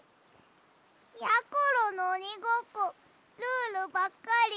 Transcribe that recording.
やころのおにごっこルールばっかり。